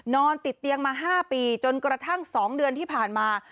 นอนติดเตียงมา๕ปีจนกระทั่ง๒เดือนที่ผ่านมา